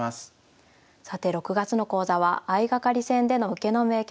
さて６月の講座は相掛かり戦での受けの名局。